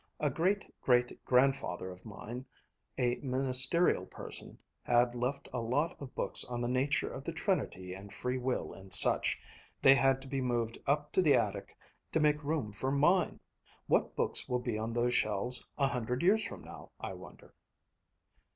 A great great grandfather of mine, a ministerial person, had left a lot of books on the nature of the Trinity and Free Will and such. They had to be moved up to the attic to make room for mine. What books will be on those shelves a hundred years from now, I wonder?"